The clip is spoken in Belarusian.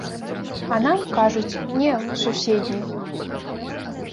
А нам кажуць, не, у суседняй.